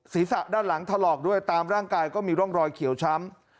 ศีรษะด้านหลังถลอกด้วยตามร่างกายก็มีร่องรอยเขียวช้ำ